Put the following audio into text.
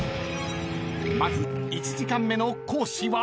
［まず１時間目の講師は］